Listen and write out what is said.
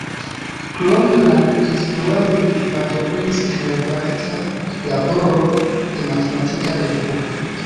Krom la instruado li partoprenis en redakta laboro de matematika revuo.